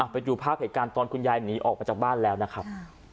ไปดูภาพเหตุการณ์ตอนคุณยายหนีออกมาจากบ้านแล้วนะครับ